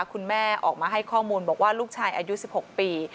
คุณแม่ออกมาให้ข้อมูลบอกว่าลูกชายอายุ๑๖ปี